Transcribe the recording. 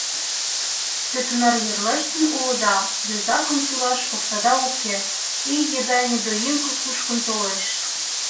Те тунар йорлештын улыда, йозакым тӱлаш оксада уке, ий еда недоимка кушкын толеш.